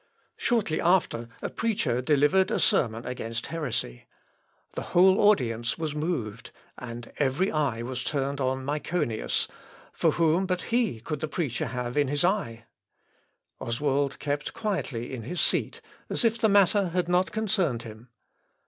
Shortly after, a preacher delivered a sermon against heresy. The whole audience was moved, and every eye was turned on Myconius; for whom but he could the preacher have in his eye? Oswald kept quietly in his seat, as if the matter had not concerned him.